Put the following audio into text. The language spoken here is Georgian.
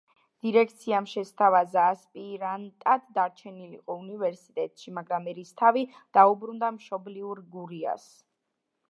დირექციამ შესთავაზა, ასპირანტად დარჩენილიყო უნივერსიტეტში, მაგრამ ერისთავი დაუბრუნდა მშობლიურ გურიას.